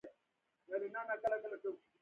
د شپون نی د مینې ساز دی.